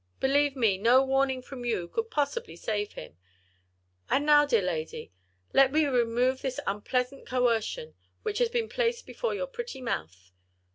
Believe me, no warning from you could possibly save him. And now dear lady, let me remove this unpleasant coercion, which has been placed before your pretty mouth.